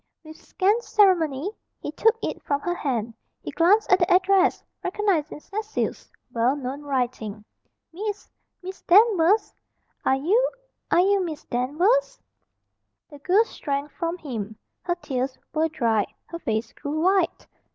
With scant ceremony he took it from her hand. He glanced at the address recognising Cecil's well known writing. "Miss Miss Danvers! Are you are you Miss Danvers?" The girl shrank from him. Her tears were dried. Her face grew white.